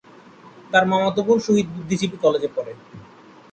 তার মামাতো বোন শহীদ বুদ্ধিজীবী কলেজে পড়ে।